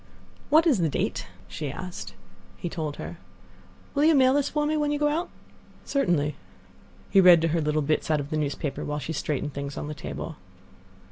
"What is the date?" she asked. He told her. "Will you mail this for me when you go out?" "Certainly." He read to her little bits out of the newspaper, while she straightened things on the table.